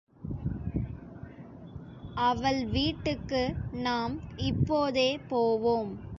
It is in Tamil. அவள் வீட்டுக்கு நாம் இப்போதே போவோம்.